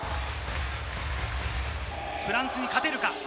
フランスに勝てるか？